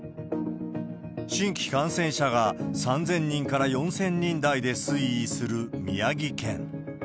新規感染者が３０００人から４０００人台で推移する宮城県。